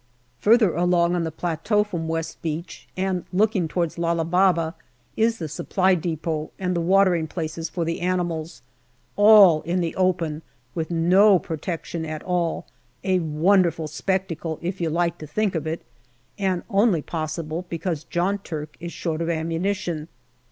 Further along on the plateau from West Beach, and looking towards Lala Baba, is the Supply depot and the watering places for the animals, all in the open, with no SEPTEMBER 223 protection at all : a wonderful spectacle, if you like to think of it, and only possible because John Turk is short of ammunition.